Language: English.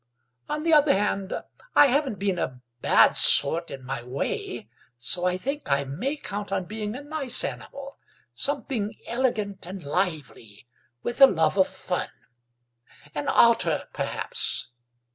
On the other hand, I haven't been a bad sort in my way, so I think I may count on being a nice animal, something elegant and lively, with a love of fun. An otter, perhaps."